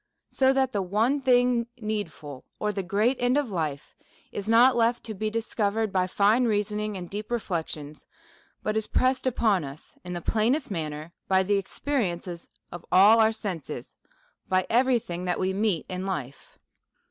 So that the one thing needful, or the great end of life, is not left to be discovered by tine reasoning and deep reflections, but is pressed upon us in the plainest manner by the experience of all our senses,, by every thing that we meet in life.